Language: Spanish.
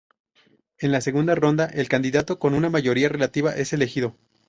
En la segunda ronda, el candidato con una mayoría relativa es elegido.